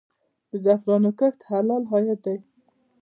د زعفرانو کښت حلال عاید دی؟